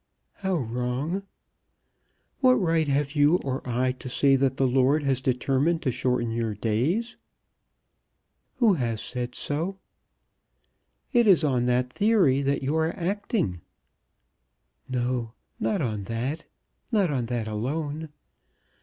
"How wrong?" "What right have you or I to say that the Lord has determined to shorten your days." "Who has said so?" "It is on that theory that you are acting." "No; not on that; not on that alone.